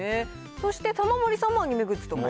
そして玉森さんもアニメグッズと書いて。